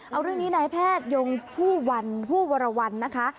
เอาเรื่องนี้ในแพทยงผู้วรรวรรณนะคะ